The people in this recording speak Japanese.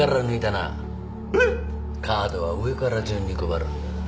カードは上から順に配るんだ。